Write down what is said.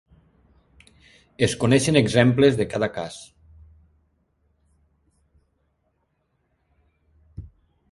Es coneixen exemples de cada cas.